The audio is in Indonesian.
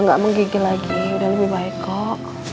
udah gak menggigil lagi udah lebih baik kok